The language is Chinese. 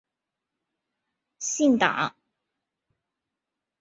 党和政府主办的媒体是党和政府的宣传阵地，必须姓党。